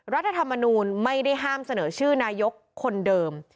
รัฐธรรมนูลไม่ได้ห้ามเสนอชื่อนายกคนเดิม